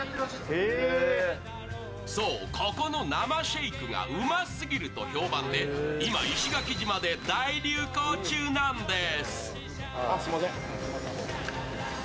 そう、ここの生シェイクがうますぎると評判で今、石垣島で大流行中なんです。